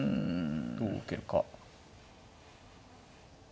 どう受けるか。